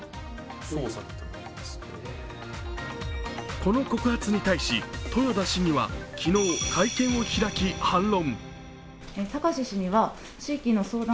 この告発に対し、豊田市議は昨日会見を開き、反論。